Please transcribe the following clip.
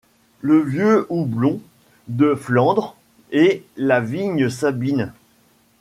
Le vieux houblon de Flandre et la vigne sabine